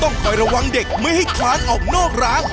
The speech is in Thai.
ต้องไประวังเด็กไม่ให้คล้านออกโน้ตร้าง